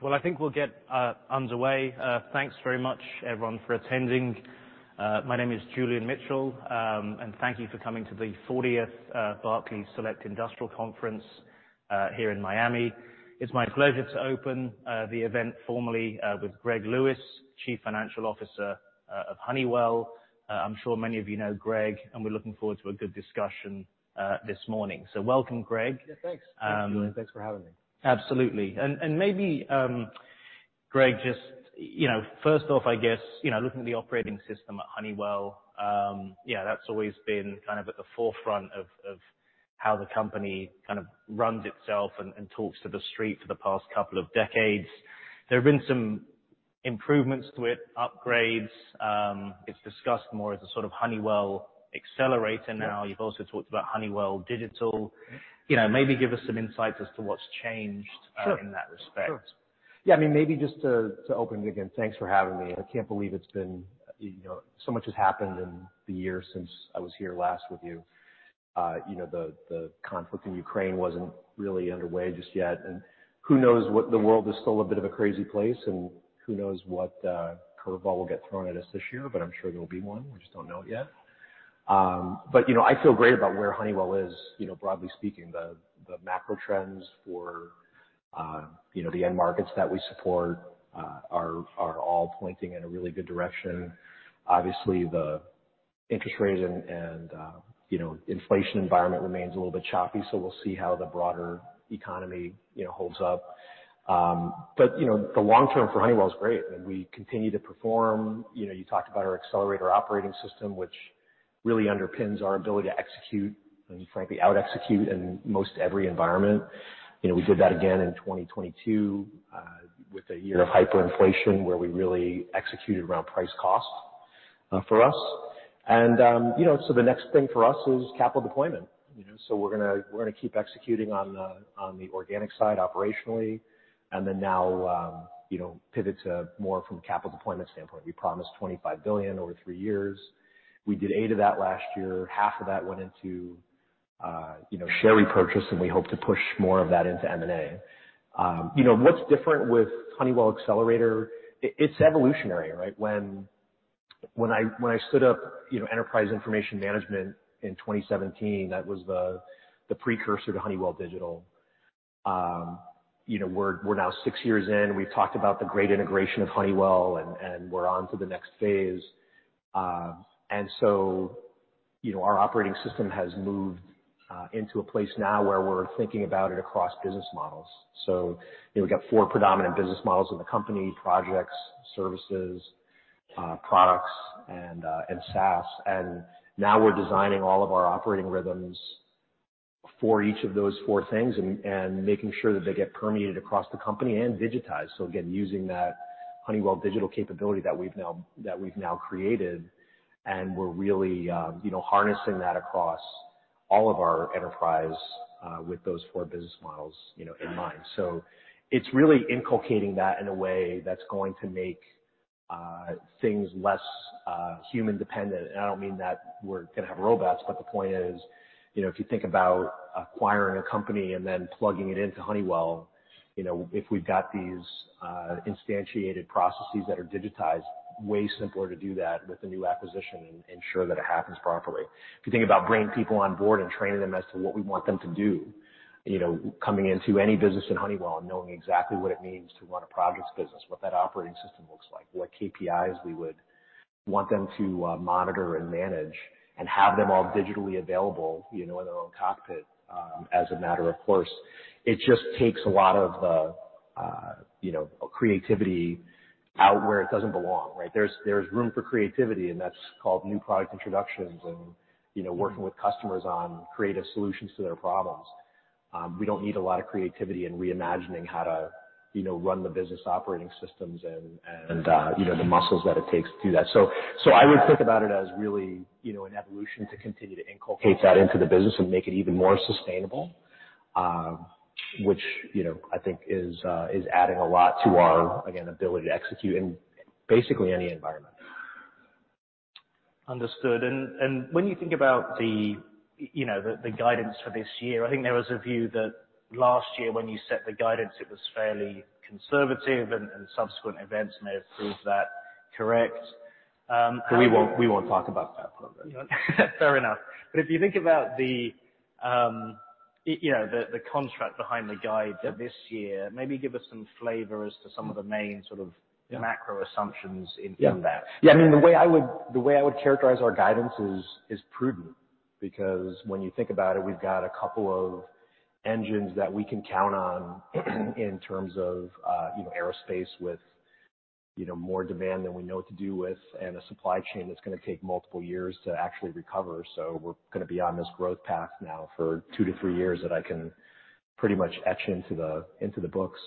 Well, I think we'll get underway. Thanks very much everyone for attending. My name is Julian Mitchell, and thank you for coming to the fortieth Barclays Industrial Select Conference here in Miami. It's my pleasure to open the event formally with Greg Lewis, Chief Financial Officer, of Honeywell. I'm sure many of you know Greg, and we're looking forward to a good discussion this morning. Welcome, Greg. Yeah, thanks. Um- Thanks for having me. Absolutely. Maybe, Greg, just, you know, first off, I guess, you know, looking at the operating system at Honeywell, yeah, that's always been kind of at the forefront of how the company kind of runs itself and talks to The Street for the past couple of decades. There have been some improvements to it, upgrades, it's discussed more as a sort of Honeywell Accelerator now. Yeah. You've also talked about Honeywell Digital. Yeah. You know, maybe give us some insights as to what's changed? Sure. in that respect. Sure. Yeah, I mean, maybe just to open it again, thanks for having me. I can't believe it's been, you know, so much has happened in the years since I was here last with you. You know, the conflict in Ukraine wasn't really underway just yet. Who knows what the world is still a bit of a crazy place, and who knows what curve ball will get thrown at us this year, but I'm sure there'll be one. We just don't know it yet. You know, I feel great about where Honeywell is, you know, broadly speaking, the macro trends for, you know, the end markets that we support, are all pointing in a really good direction. Obviously, the interest rates, you know, inflation environment remains a little bit choppy. We'll see how the broader economy, you know, holds up. You know, the long term for Honeywell is great. I mean, we continue to perform. You know, you talked about our Accelerator operating system, which really underpins our ability to execute and frankly, out execute in most every environment. You know, we did that again in 2022 with a year of hyperinflation where we really executed around price cost for us. You know, the next thing for us is capital deployment. You know, we're gonna keep executing on the organic side operationally, now, you know, pivot to more from a capital deployment standpoint. We promised $25 billion over three years. We did $8 billion of that last year. Half of that went into, you know, share repurchase, and we hope to push more of that into M&A. you know, what's different with Honeywell Accelerator, it's evolutionary, right? When I stood up, you know, Enterprise Information Management in 2017, that was the precursor to Honeywell Digital. you know, we're now six years in. We've talked about the great integration of Honeywell and we're on to the next phase. you know, our operating system has moved into a place now where we're thinking about it across business models. you know, we've got four predominant business models in the company: projects, services, products and SaaS. Now we're designing all of our operating rhythms for each of those four things and making sure that they get permeated across the company and digitized. Again, using that Honeywell Digital capability that we've now created, and we're really, you know, harnessing that across all of our enterprise with those four business models, you know, in mind. It's really inculcating that in a way that's going to make things less human dependent. I don't mean that we're gonna have robots, but the point is, you know, if you think about acquiring a company and then plugging it into Honeywell, you know, if we've got these instantiated processes that are digitized, way simpler to do that with a new acquisition and ensure that it happens properly. If you think about bringing people on board and training them as to what we want them to do, you know, coming into any business in Honeywell and knowing exactly what it means to run a projects business, what that operating system looks like, what KPIs we would want them to monitor and manage, and have them all digitally available, you know, in their own cockpit, as a matter of course. It just takes a lot of the, you know, creativity out where it doesn't belong, right? There's, there's room for creativity, and that's called new product introductions and, you know, working with customers on creative solutions to their problems. We don't need a lot of creativity in reimagining how to, you know, run the business operating systems and, you know, the muscles that it takes to do that. I would think about it as really, you know, an evolution to continue to inculcate that into the business and make it even more sustainable, which, you know, I think is adding a lot to our, again, ability to execute in basically any environment. Understood. When you think about the, you know, the guidance for this year, I think there was a view that last year when you set the guidance, it was fairly conservative and subsequent events may have proved that correct. We won't talk about that public. Fair enough. If you think about the, you know, the construct behind the guide for this year, maybe give us some flavor as to some of the main. Yeah. macro assumptions in that. Yeah. I mean, the way I would characterize our guidance is prudent because when you think about it, we've got a couple of engines that we can count on in terms of, you know, Aerospace with, you know, more demand than we know what to do with and a supply chain that's gonna take multiple years to actually recover. We're gonna be on this growth path now for 2-3 years that I can pretty much etch into the books.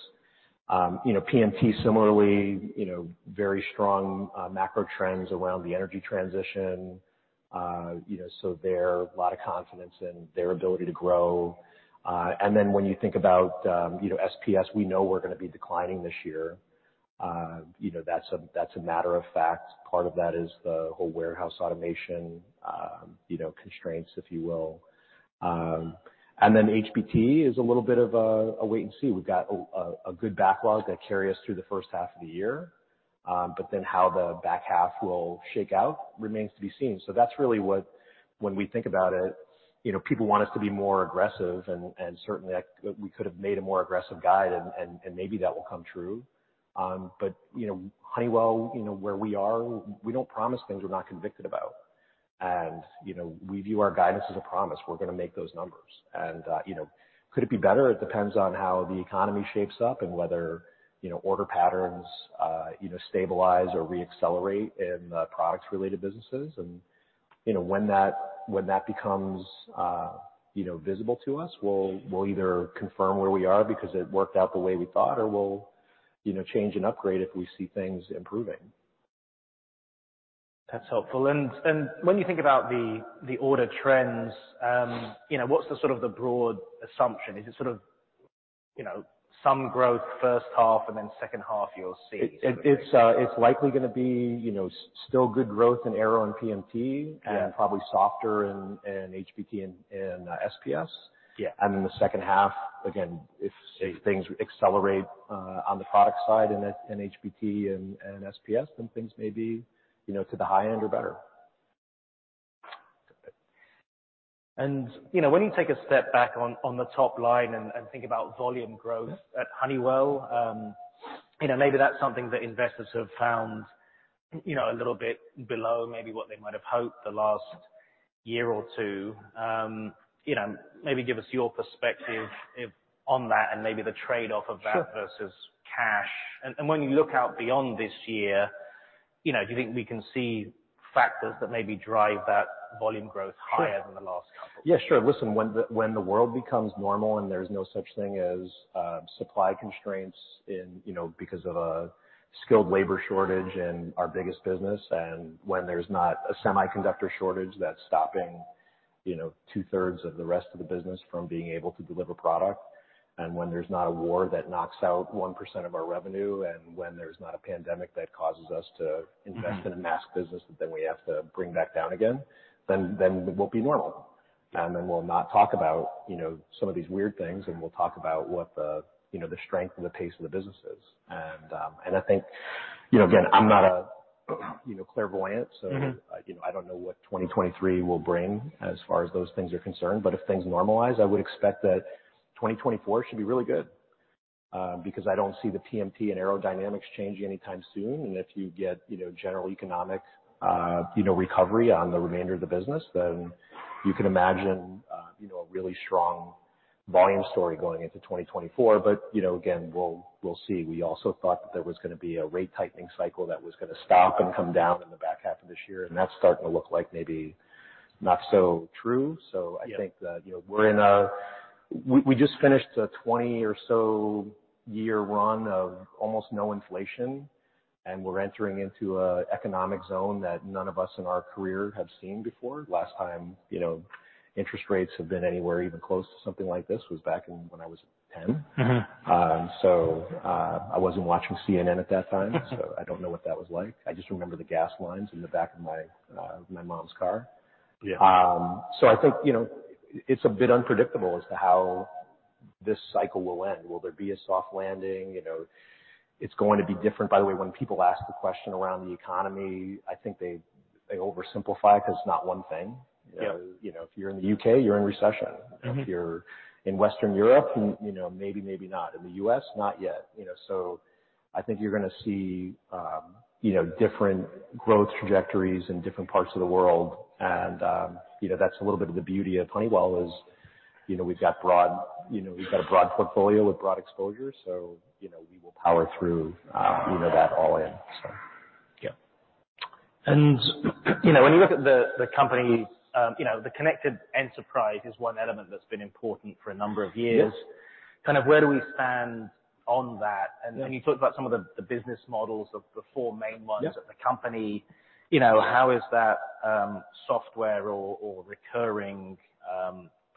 You know, PMT similarly, you know, very strong macro trends around the energy transition. You know, there, a lot of confidence in their ability to grow. When you think about, you know, SPS, we know we're gonna be declining this year. You know, that's a matter of fact. Part of that is the whole warehouse automation, you know, constraints, if you will. HBT is a little bit of a wait and see. We've got a good backlog that carry us through the first half of the year, but then how the back half will shake out remains to be seen. That's really what... when we think about it, you know, people want us to be more aggressive and certainly we could have made a more aggressive guide and maybe that will come true. But, you know, Honeywell, you know, where we are, we don't promise things we're not convicted about. We view our guidance as a promise. We're gonna make those numbers. Could it be better? It depends on how the economy shapes up and whether, you know, order patterns, you know, stabilize or re-accelerate in the products related businesses. You know, when that becomes, you know, visible to us, we'll either confirm where we are because it worked out the way we thought or we'll, you know, change and upgrade if we see things improving. That's helpful. When you think about the order trends, you know, what's the sort of the broad assumption? Is it sort of, you know, some growth first half and then second half you'll see? It's likely gonna be, you know, still good growth in Aerospace and PMT. Yeah. probably softer in PMT and SPS. Yeah. In the second half, again. If- things accelerate on the product side in H-PMT and SPS, then things may be, you know, to the high end or better. You know, when you take a step back on the top line and think about volume growth at Honeywell, you know, maybe that's something that investors have found, you know, a little bit below maybe what they might have hoped the last year or two. You know, maybe give us your perspective on that and maybe the trade-off of that. Sure. versus cash. When you look out beyond this year, you know, do you think we can see factors that maybe drive that volume growth higher? Sure. than the last couple? Yeah, sure. Listen, when the world becomes normal and there's no such thing as supply constraints in, you know, because of a skilled labor shortage in our biggest business, and when there's not a semiconductor shortage that's stopping, you know, two-thirds of the rest of the business from being able to deliver product, and when there's not a war that knocks out 1% of our revenue, and when there's not a pandemic that causes us to invest... Mm-hmm. In a mask business that then we have to bring back down again, then we'll be normal, and then we'll not talk about, you know, some of these weird things, and we'll talk about what the, you know, the strength and the pace of the business is. I think, you know, again, I'm not a, you know, clairvoyant, so. Mm-hmm. you know, I don't know what 2023 will bring as far as those things are concerned, If things normalize, I would expect that 2024 should be really good, because I don't see the PMT and Aerospace changing anytime soon. If you get, you know, general economic, you know, recovery on the remainder of the business, you can imagine, you know, a really strong volume story going into 2024. you know, again, we'll see. We also thought that there was gonna be a rate tightening cycle that was gonna stop and come down in the back half of this year, that's starting to look like maybe not so true. I think that Yeah. you know, we just finished a 20 or so year run of almost no inflation. We're entering into an economic zone that none of us in our career have seen before. Last time, you know, interest rates have been anywhere even close to something like this was back in when I was 10. Mm-hmm. I wasn't watching CNN at that time. I don't know what that was like. I just remember the gas lines in the back of my mom's car. Yeah. I think, you know, it's a bit unpredictable as to how this cycle will end. Will there be a soft landing? You know, it's going to be different. By the way, when people ask the question around the economy, I think they oversimplify 'cause it's not one thing. Yeah. You know, if you're in the U.K., you're in recession. Mm-hmm. If you're in Western Europe, you know, maybe not. In the U.S., not yet. I think you're gonna see, you know, different growth trajectories in different parts of the world. That's a little bit of the beauty of Honeywell is, we've got a broad portfolio with broad exposure, you know, we will power through, you know, that all in. Yeah. You know, when you look at the company, you know, the Connected Enterprise is one element that's been important for a number of years. Yeah. Kind of where do we stand on that? Yeah. When you talk about some of the business models of the four main ones. Yeah. of the company, you know, how is that software or recurring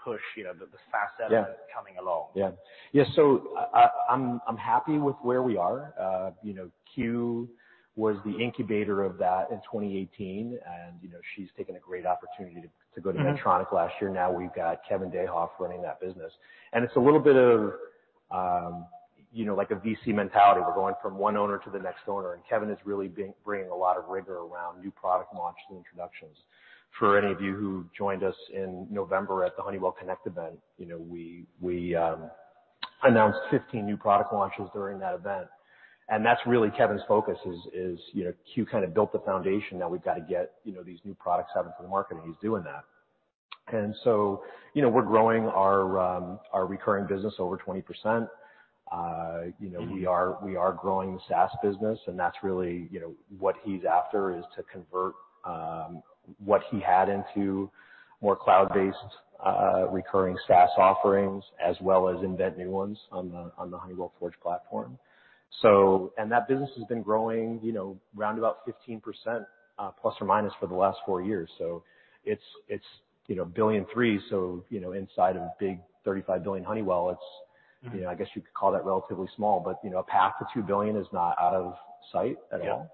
push, you know, the fast element? Yeah. coming along? Yeah. Yeah. I'm, I'm happy with where we are. You know, Que was the incubator of that in 2018, you know, she's taken a great opportunity to go to Medtronic last year. Now we've got Kevin Dehoff running that business. It's a little bit of, you know, like a VC mentality. We're going from one owner to the next owner, Kevin is really bringing a lot of rigor around new product launches and introductions. For any of you who joined us in November at the Honeywell Connect event, you know, we announced 15 new product launches during that event. That's really Kevin's focus is, you know, Que kind of built the foundation, now we've got to get, you know, these new products out into the market, and he's doing that. you know, we're growing our recurring business over 20%. you know Mm-hmm. we are growing the SaaS business, and that's really, you know, what he's after, is to convert, what he had into more cloud-based, recurring SaaS offerings, as well as invent new ones on the Honeywell Forge platform. That business has been growing, you know, around about 15%, plus or minus for the last four years. It's, you know, $1.3 billion. Inside of big $35 billion Honeywell, it's. You know, I guess you could call that relatively small, but you know, a path to $2 billion is not out of sight at all.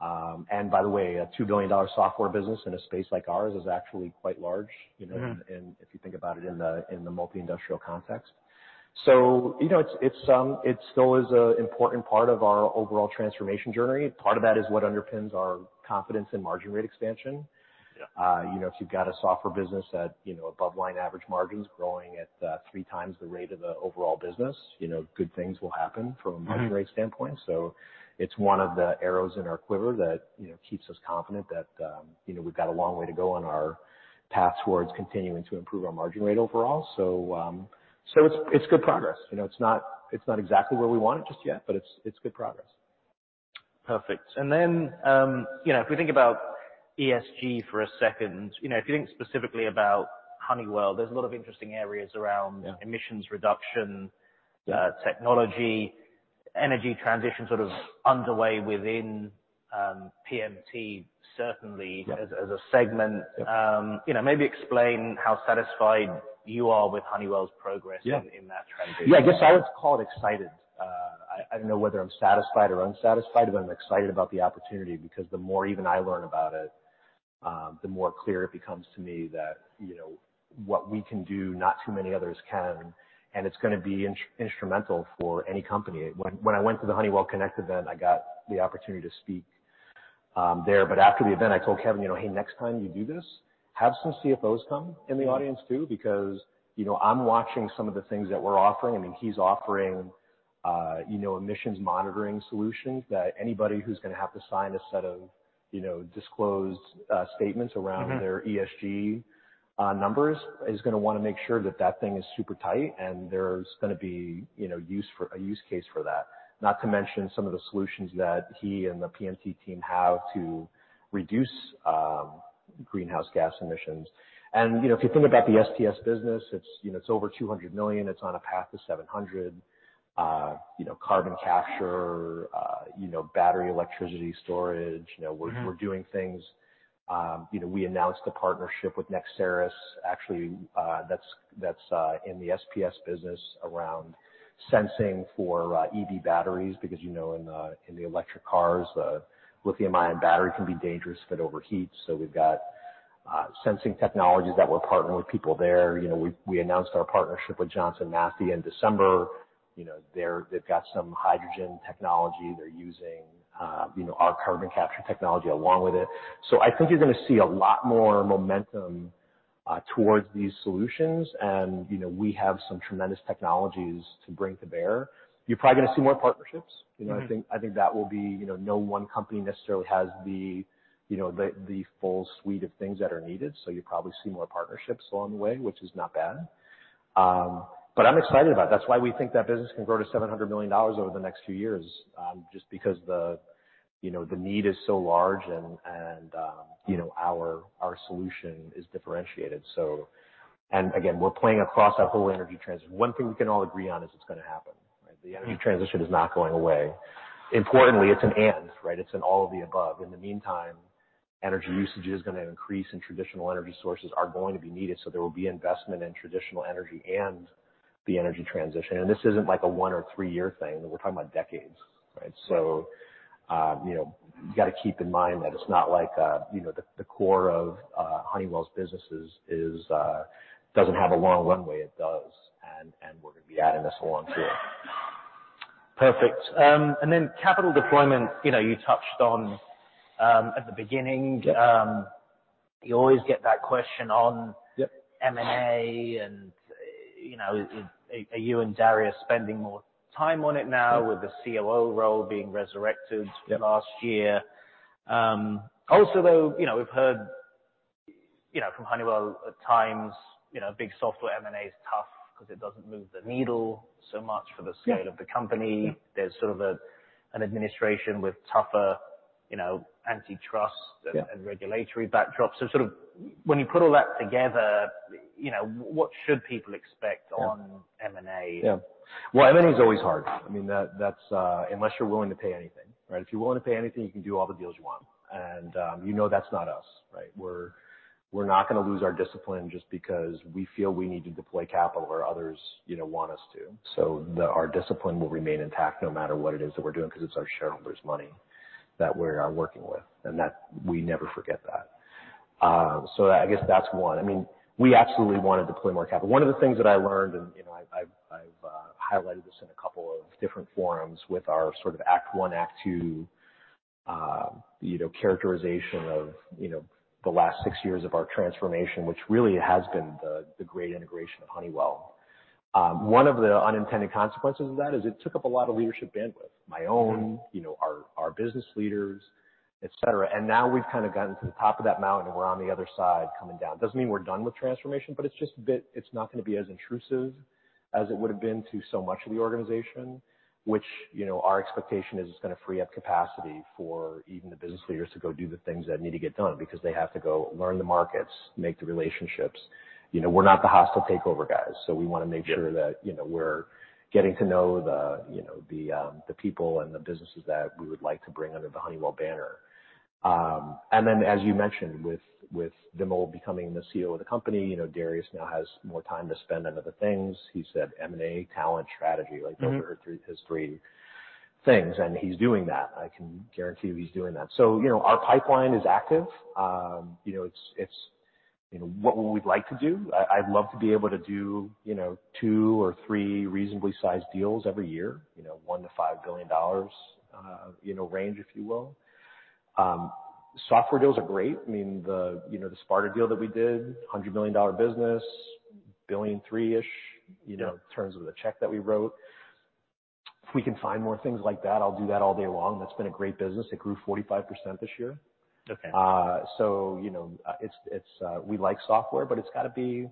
Yeah. By the way, a $2 billion software business in a space like ours is actually quite large, you know. Mm-hmm. If you think about it in the, in the multi-industrial context. You know, it's, it still is an important part of our overall transformation journey. Part of that is what underpins our confidence in margin rate expansion. Yeah. You know, if you've got a software business at, you know, above line average margins growing at, 3 times the rate of the overall business, you know, good things will happen. Mm-hmm. -a margin rate standpoint. It's one of the arrows in our quiver that, you know, keeps us confident that, you know, we've got a long way to go on our path towards continuing to improve our margin rate overall. It's, it's good progress. You know, it's not, it's not exactly where we want it just yet, but it's good progress. Perfect. You know, if we think about ESG for a second, you know, if you think specifically about Honeywell, there's a lot of interesting areas around. Yeah. emissions reduction Yeah. technology, energy transition sort of underway within PMT certainly. Yeah. as a segment. you know, maybe explain how satisfied you are with Honeywell's progress? Yeah. in that transition. Yeah, I guess I would call it excited. I don't know whether I'm satisfied or unsatisfied, but I'm excited about the opportunity because the more even I learn about it, the more clear it becomes to me that, you know, what we can do, not too many others can, and it's gonna be instrumental for any company. When I went to the Honeywell Connect event, I got the opportunity to speak there. After the event, I told Kevin, you know, "Hey, next time you do this, have some CFOs come in the audience too," because, you know, I'm watching some of the things that we're offering. I mean, he's offering, you know, emissions monitoring solutions that anybody who's gonna have to sign a set of, you know, disclosed, statements around- Mm-hmm. their ESG numbers is gonna wanna make sure that that thing is super tight, and there's gonna be, you know, a use case for that. Not to mention some of the solutions that he and the PMT team have to reduce greenhouse gas emissions. If you think about the SPS business, it's, you know, it's over $200 million. It's on a path to $700 million. You know, carbon capture, you know, battery electricity storage. Mm-hmm. -we're doing things. You know, we announced a partnership with Nexceris. Actually, that's in the SPS business around sensing for EV batteries because, you know, in the electric cars, the lithium-ion battery can be dangerous if it overheats. We've got sensing technologies that we're partnering with people there. You know, we announced our partnership with Johnson Matthey in December. You know, they've got some hydrogen technology they're using, you know, our carbon capture technology along with it. I think you're gonna see a lot more momentum towards these solutions. You know, we have some tremendous technologies to bring to bear. You're probably gonna see more partnerships. Mm-hmm. You know, I think that will be, you know, no one company necessarily has the, you know, the full suite of things that are needed. You'll probably see more partnerships along the way, which is not bad. I'm excited about it. That's why we think that business can grow to $700 million over the next few years, just because the, you know, the need is so large and, you know, our solution is differentiated. Again, we're playing across our whole energy transition. One thing we can all agree on is it's gonna happen, right? The energy transition is not going away. Importantly, it's an and, right? It's an all of the above. In the meantime, energy usage is gonna increase, and traditional energy sources are going to be needed, so there will be investment in traditional energy and the energy transition. This isn't like a one or three-year thing. We're talking about decades, right? You know, you gotta keep in mind that it's not like, you know, the core of Honeywell's businesses is doesn't have a long runway. It does. We're gonna be adding this along too. Perfect. Then capital deployment, you know, you touched on, at the beginning. Yeah. You always get that question. Yep. M&A and, you know, are you and Darius spending more time on it now? Yeah. with the COO role being resurrected. Yeah. from last year? Also though, you know, we've heard, you know, from Honeywell at times, you know, big software M&A is tough because it doesn't move the needle so much for the scale... Yeah. of the company. Yeah. There's sort of an administration with tougher, you know, antitrust... Yeah. Regulatory backdrop. Sort of when you put all that together, you know, what should people expect? Yeah. on M&A? Yeah. Well, M&A is always hard. I mean, that's, unless you're willing to pay anything, right? If you're willing to pay anything, you can do all the deals you want. You know that's not us, right? We're not gonna lose our discipline just because we feel we need to deploy capital or others, you know, want us to. Our discipline will remain intact no matter what it is that we're doing because it's our shareholders' money that we're working with and that we never forget that. I guess that's one. I mean, we absolutely want to deploy more capital. One of the things that I learned, and, you know, I've highlighted this in a couple of different forums with our sort of act one, act two, you know, characterization of, you know, the last 6 years of our transformation, which really has been the great integration of Honeywell. One of the unintended consequences of that is it took up a lot of leadership bandwidth. Yeah. you know, our business leaders, et cetera. Now we've kind of gotten to the top of that mountain, and we're on the other side coming down. Doesn't mean we're done with transformation, it's not gonna be as intrusive as it would've been to so much of the organization, which, you know, our expectation is it's gonna free up capacity for even the business leaders to go do the things that need to get done because they have to go learn the markets, make the relationships. You know, we're not the hostile takeover guys, we wanna make sure- Yeah. that, you know, we're getting to know the, you know, the people and the businesses that we would like to bring under the Honeywell banner. As you mentioned, with Vimal becoming the CEO of the company, you know, Darius now has more time to spend on other things. He said M&A talent strategy, like those are his three things, and he's doing that. I can guarantee you he's doing that. You know, our pipeline is active. You know, it's... You know, what we'd like to do, I'd love to be able to do, you know, two or three reasonably sized deals every year, you know, $1 billion-$5 billion, you know, range, if you will. Software deals are great. I mean, the, you know, the Sparta deal that we did, $100 million business, $3 billion-ish, you know, in terms of the check that we wrote. If we can find more things like that, I'll do that all day long. That's been a great business. It grew 45% this year. Okay. You know, it's, we like software, but it's gotta be,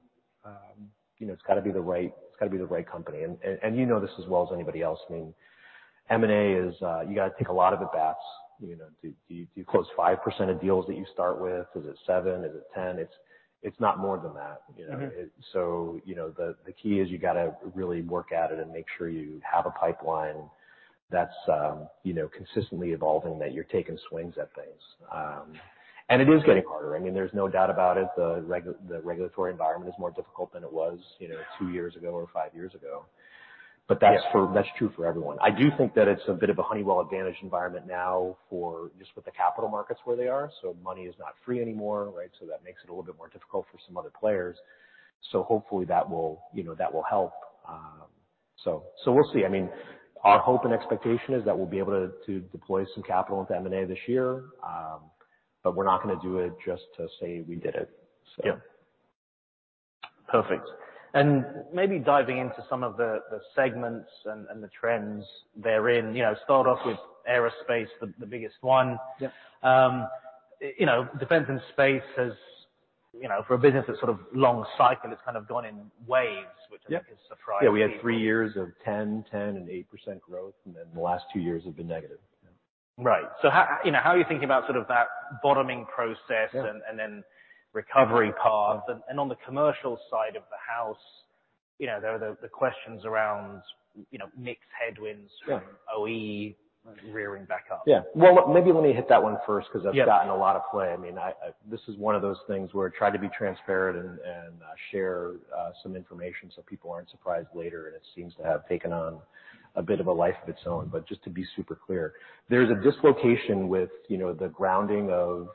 you know, it's gotta be the right company. You know this as well as anybody else. I mean, M&A is, you gotta take a lot of the bats, you know, you close 5% of deals that you start with? Is it 7? Is it 10? It's not more than that, you know. Mm-hmm. You know, the key is you gotta really work at it and make sure you have a pipeline that's, you know, consistently evolving, that you're taking swings at things. It is getting harder. I mean, there's no doubt about it. The regulatory environment is more difficult than it was, you know, two years ago or five years ago. Yeah. That's true for everyone. I do think that it's a bit of a Honeywell advantage environment now for just with the capital markets where they are, money is not free anymore, right? That makes it a little bit more difficult for some other players. Hopefully that will, you know, that will help. So, we'll see. I mean, our hope and expectation is that we'll be able to deploy some capital into M&A this year, but we're not gonna do it just to say we did it. Yeah. Perfect. Maybe diving into some of the segments and the trends they're in. You know, start off with Aerospace, the biggest one. Yeah. You know, defense and space has, you know, for a business that's sort of long cycle, it's kind of gone in waves. Yeah. Which I think has surprised people. Yeah, we had three years of 10%, 10%, and 8% growth, and then the last two years have been negative. Right. How, you know, how are you thinking about sort of that bottoming process- Yeah. and then recovery path. On the commercial side of the house, you know, the questions around, you know, mixed headwinds. Yeah. from OE rearing back up. Yeah. Well, maybe let me hit that one first 'cause that's gotten a lot of play. I mean, This is one of those things where try to be transparent and share some information so people aren't surprised later. It seems to have taken on a bit of a life of its own. Just to be super clear, there's a dislocation with, you know, the grounding of,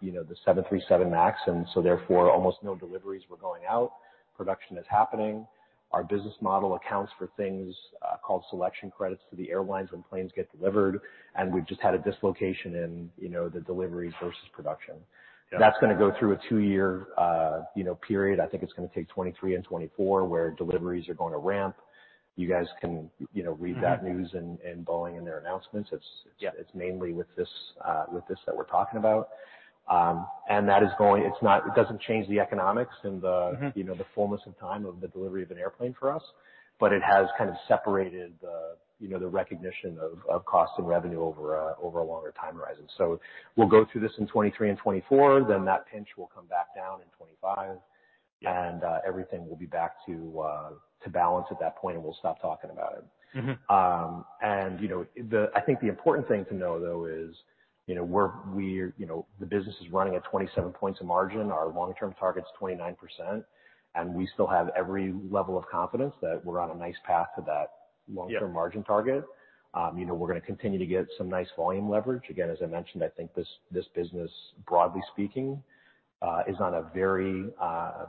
you know, the 737 MAX. Therefore almost no deliveries were going out. Production is happening. Our business model accounts for things, called selection credits to the airlines when planes get delivered. We've just had a dislocation in, you know, the delivery versus production. Yeah. That's gonna go through a two-year, you know, period. I think it's gonna take 2023 and 2024, where deliveries are gonna ramp. You guys can, you know, read that news and Boeing in their announcements. Yeah. it's mainly with this, with this that we're talking about. That is going... It doesn't change the economics and the... Mm-hmm. You know, the fullness of time of the delivery of an airplane for us, but it has kind of separated the, you know, the recognition of cost and revenue over a longer time horizon. We'll go through this in 23 and 24. That pinch will come back down in 25. Yeah. Everything will be back to balance at that point, and we'll stop talking about it. Mm-hmm. You know, I think the important thing to know, though, is, you know, the business is running at 27 points of margin. Our long-term target's 29%, and we still have every level of confidence that we're on a nice path to that long-term margin target. You know, we're gonna continue to get some nice volume leverage. Again, as I mentioned, I think this business, broadly speaking, is on a very,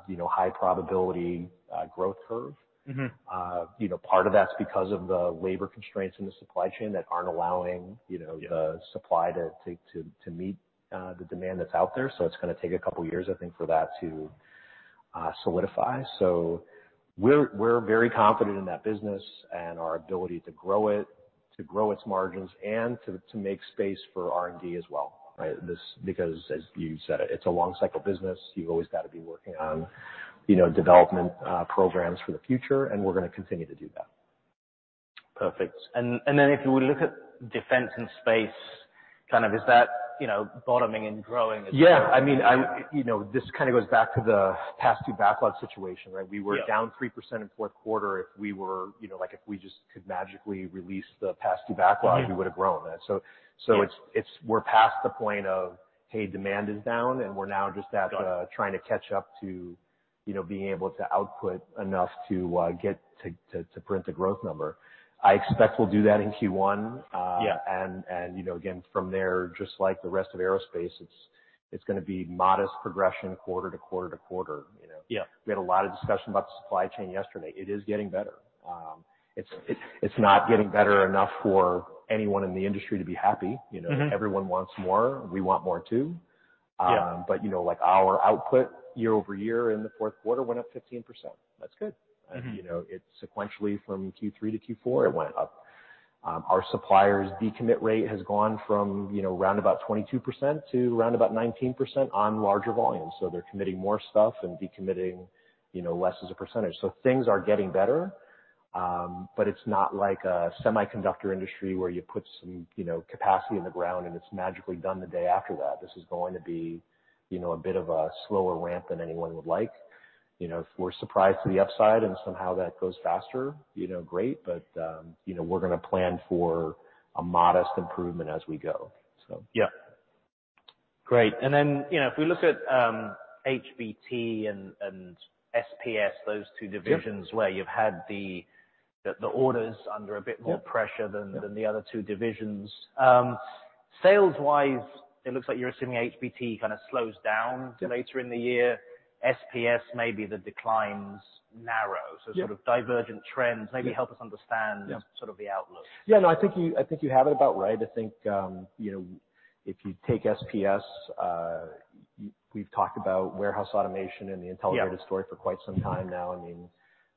you know, high probability growth curve. Mm-hmm. You know, part of that's because of the labor constraints in the supply chain that aren't allowing, you know, the supply to meet the demand that's out there. It's gonna take a couple of years, I think, for that to solidify. We're, we're very confident in that business and our ability to grow it, to grow its margins, and to make space for R&D as well, right? Because, as you said, it's a long cycle business. You've always got to be working on, you know, development programs for the future, and we're gonna continue to do that. Perfect. Then if we look at defense and space, kind of is that, you know, bottoming and growing as well? Yeah. I mean, I, you know, this kind of goes back to the past due backlog situation, right? Yeah. We were down 3% in fourth quarter. If we were, you know, like, if we just could magically release the past due backlogs, we would have grown. It's. We're past the point of, hey, demand is down, and we're now just at the trying to catch up to, you know, being able to output enough to get to print a growth number. I expect we'll do that in Q1. Yeah. You know, again, from there, just like the rest of Aerospace, it's gonna be modest progression quarter to quarter to quarter, you know? Yeah. We had a lot of discussion about the supply chain yesterday. It is getting better. It's not getting better enough for anyone in the industry to be happy. You know? Mm-hmm. Everyone wants more. We want more too. Yeah. You know, like, our output year-over-year in the fourth quarter went up 15%. That's good. Mm-hmm. You know, it sequentially from Q3 to Q4, it went up. Our suppliers' decommit rate has gone from, you know, around about 22% to around about 19% on larger volumes. They're committing more stuff and decommitting, you know, less as a percentage. Things are getting better, but it's not like a semiconductor industry where you put some, you know, capacity in the ground and it's magically done the day after that. This is going to be, you know, a bit of a slower ramp than anyone would like. You know, if we're surprised to the upside and somehow that goes faster, you know, great. We're gonna plan for a modest improvement as we go. Yeah. Great. Then, you know, if we look at, HBT and SPS, those two divisions. Yeah. where you've had the orders under a bit more Yeah. pressure than the other two divisions. Sales-wise, it looks like you're assuming HBT kind of slows down. Yeah. later in the year. SPS, maybe the declines narrow. Yeah. Sort of divergent trends. Yeah. Maybe help us understand. Yeah. sort of the outlook. Yeah, no, I think you, I think you have it about right. I think, you know, if you take SPS, we've talked about warehouse automation and the Intelligrated... Yeah. -story for quite some time now. I mean,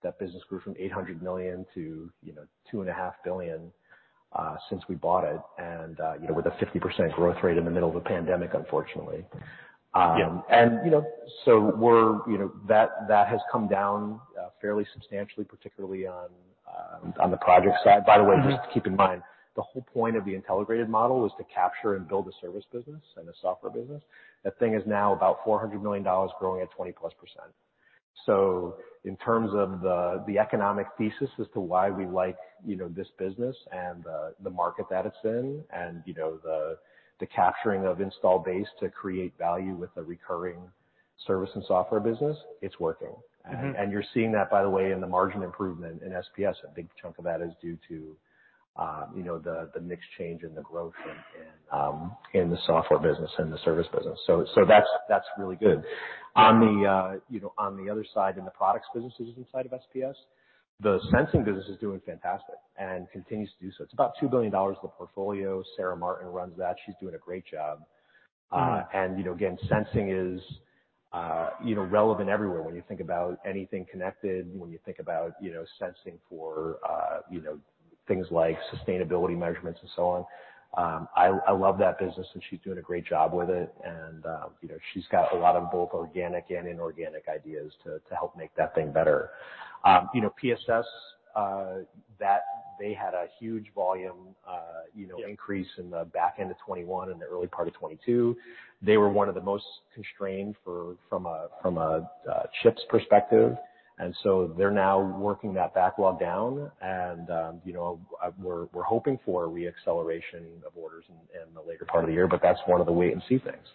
that business grew from $800 million to, you know, $2.5 billion, since we bought it. You know, with a 50% growth rate in the middle of a pandemic, unfortunately. Yeah. You know, that has come down, fairly substantially, particularly on the project side. By the way. Mm-hmm. just keep in mind, the whole point of the Intelligrated model is to capture and build a service business and a software business. That thing is now about $400 million growing at 20%+. In terms of the economic thesis as to why we like, you know, this business and the market that it's in and, you know, the capturing of install base to create value with the recurring service and software business, it's working. Mm-hmm. You're seeing that, by the way, in the margin improvement in SPS. A big chunk of that is due to, you know, the mix change in the growth and in the software business and the service business. That's really good. You know, on the other side, in the products businesses inside of SPS, the sensing business is doing fantastic and continues to do so. It's about $2 billion of the portfolio. Sarah Martin runs that. She's doing a great job. Mm-hmm. You know, again, sensing is, you know, relevant everywhere. When you think about anything connected, when you think about, you know, sensing for, you know, things like sustainability measurements and so on, I love that business and she's doing a great job with it. You know, she's got a lot of both organic and inorganic ideas to help make that thing better. You know, PSS, that they had a huge volume, you know. Yeah. increase in the back end of 2021 and the early part of 2022. They were one of the most constrained for, from a, from a chips perspective. They're now working that backlog down and, you know, we're hoping for a re-acceleration of orders in the later part of the year, but that's one of the wait-and-see things.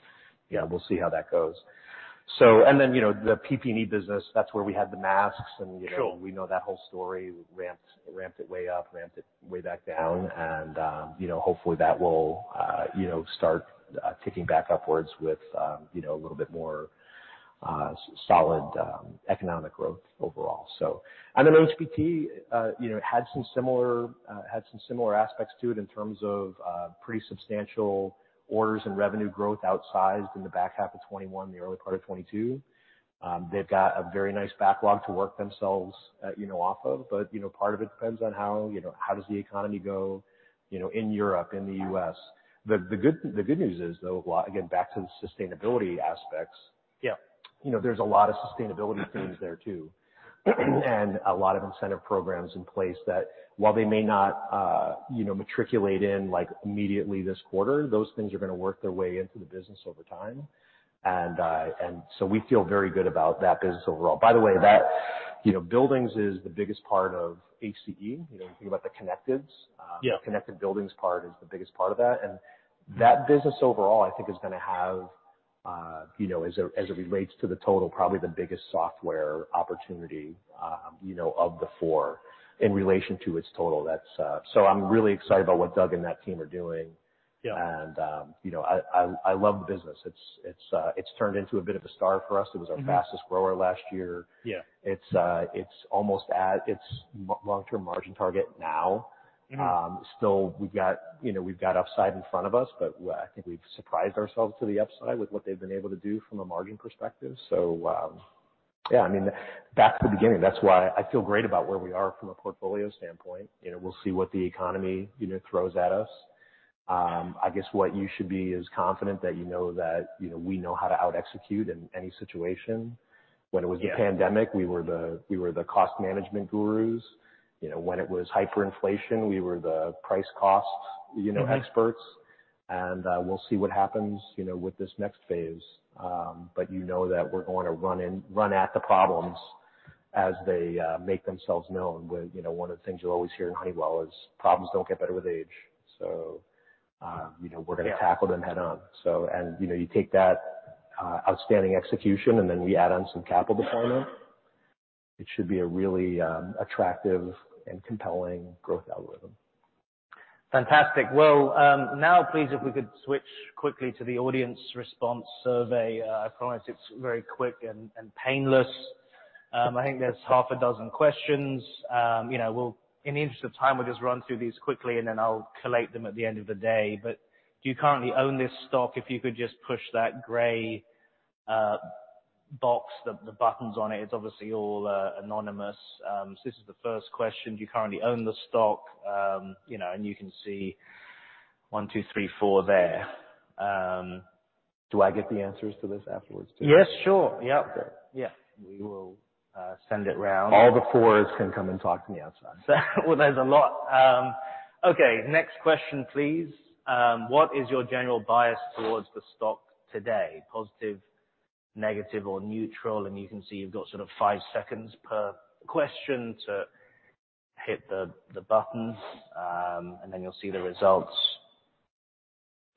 Yeah, we'll see how that goes. You know, the PPE business, that's where we had the masks and, you know- Sure. we know that whole story. Ramped, ramped it way up, ramped it way back down. You know, hopefully that will, you know, start ticking back upwards with, you know, a little bit more solid economic growth overall. Then HBT, you know, had some similar had some similar aspects to it in terms of pretty substantial orders and revenue growth outsized in the back half of 21, the early part of 22. They've got a very nice backlog to work themselves, you know, off of. You know, part of it depends on how, you know, how does the economy go, you know, in Europe, in the U.S. The good news is, though, again, back to the sustainability aspects. Yeah. You know, there's a lot of sustainability themes there too. A lot of incentive programs in place that while they may not, you know, matriculate in like immediately this quarter, those things are gonna work their way into the business over time. We feel very good about that business overall. By the way, that, you know, buildings is the biggest part of HCE. You know, when you think about the connectives. Yeah. The connected buildings part is the biggest part of that. That business overall, I think, is gonna have, you know, as it, as it relates to the total, probably the biggest software opportunity, you know, of the four in relation to its total. That's. I'm really excited about what Doug and that team are doing. Yeah. You know, I love the business. It's turned into a bit of a star for us. Mm-hmm. It was our fastest grower last year. Yeah. It's, it's almost at its long-term margin target now. Mm-hmm. Still, we've got, you know, we've got upside in front of us, but I think we've surprised ourselves to the upside with what they've been able to do from a margin perspective. Yeah, I mean, back to the beginning. That's why I feel great about where we are from a portfolio standpoint. You know, we'll see what the economy, you know, throws at us. I guess what you should be is confident that you know that, you know, we know how to out-execute in any situation. Yeah. When it was the pandemic, we were the cost management gurus. You know, when it was hyperinflation, we were the. Mm-hmm. you know, experts. We'll see what happens, you know, with this next phase. You know that we're going to run at the problems as they make themselves known. You know, one of the things you'll always hear in Honeywell is problems don't get better with age. You know. Yeah. we're gonna tackle them head on. you know, you take that, outstanding execution and then we add on some capital deployment, it should be a really attractive and compelling growth algorithm. Fantastic. Well, now please, if we could switch quickly to the audience response survey. I promise it's very quick and painless. I think there's half a dozen questions. You know, in the interest of time, we'll just run through these quickly, and then I'll collate them at the end of the day. Do you currently own this stock? If you could just push that gray box, the buttons on it's obviously all anonymous. So this is the first question. Do you currently own the stock? You know, and you can see 1, 2, 3, 4 there. Do I get the answers to this afterwards too? Yes, sure. Yeah. Okay. Yeah. We will send it round. All the fours can come and talk to me outside. Well, there's a lot, Okay. Next question, please. What is your general bias towards the stock today? Positive, negative or neutral? You can see you've got sort of 5 seconds per question to hit the buttons, and then you'll see the results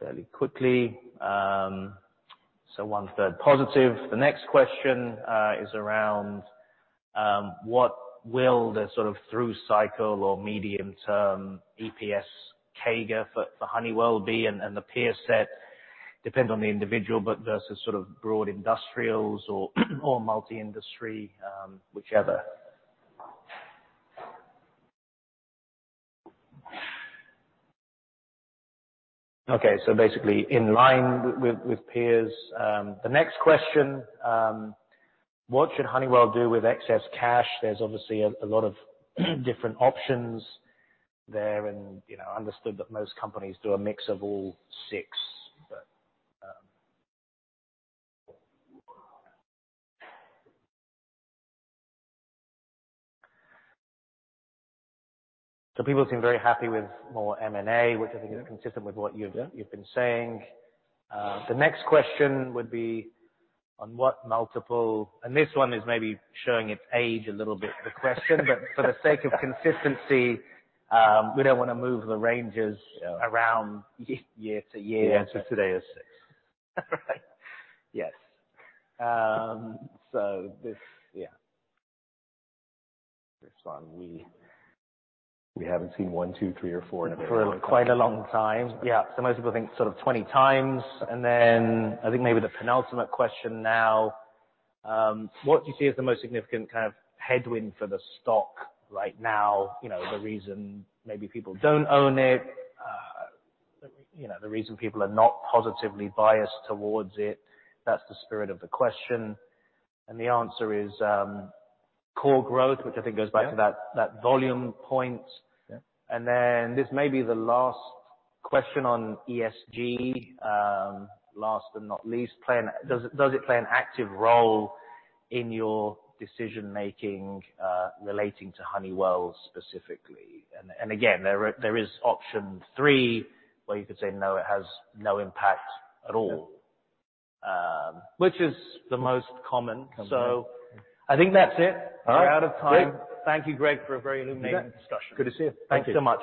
fairly quickly. 1/3 positive. The next question is around what will the sort of through cycle or medium term EPS CAGR for Honeywell be? The peer set depend on the individual, but versus sort of broad industrials or multi-industry, whichever. Okay, basically in line with peers. The next question, what should Honeywell do with excess cash? There's obviously a lot of different options there, you know, understood that most companies do a mix of all six. People seem very happy with more M&A, which I think is consistent with what you've been saying. The next question would be on what multiple. This one is maybe showing its age a little bit, the question. For the sake of consistency, we don't wanna move the ranges around year-to-year. The answer today is six. Right? Yes. This one we haven't seen 1, 2, 3, or 4 in a very long time. For quite a long time. Most people think sort of 20 times. Then I think maybe the penultimate question now, what do you see as the most significant kind of headwind for the stock right now? You know, the reason maybe people don't own it, you know, the reason people are not positively biased towards it. That's the spirit of the question. The answer is, core growth, which I think goes back to that. Yeah. That volume point. Yeah. Then this may be the last question on ESG. Last but not least, Does it play an active role in your decision-making, relating to Honeywell specifically? Again, there is option three, where you could say, No, it has no impact at all. Yeah. Which is the most common. Common, yeah. I think that's it. All right. We're out of time. Great. Thank you, Greg, for a very illuminating discussion. Good to see you. Thank you. Thanks so much.